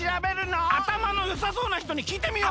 あたまのよさそうな人にきいてみよう！